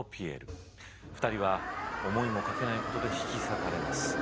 ２人は思いもかけないことで引き裂かれます。